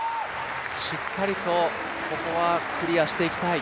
しっかりと、ここはクリアしていきたい。